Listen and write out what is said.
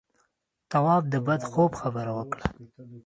تواب د بد خوب خبره وکړه.